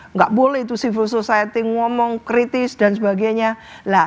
nggak boleh itu civil society ngomong kritis dan sebagainya